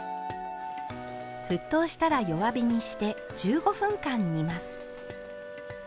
沸騰したら弱火にして１５分間煮ます。